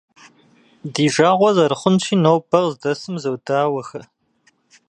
Ди жагъуэ зэрыхъунщи, нобэр къыздэсым зодауэхэ.